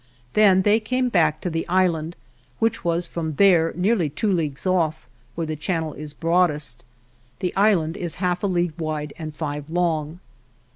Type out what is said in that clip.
Then they came back to the island, which was from there nearly two leagues off, where the channel is broad est. The island is half a league wide and five long.